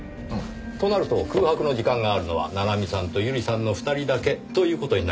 となると空白の時間があるのは七海さんと百合さんの２人だけという事になりますね。